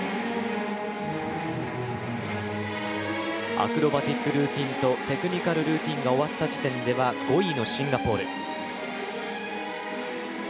アクロバティックルーティンとテクニカルルーティンが終わった時点では５位のシンガポール。